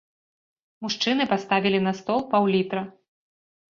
Мужчыны паставілі на стол паўлітра.